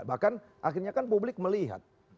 bahkan akhirnya kan publik melihat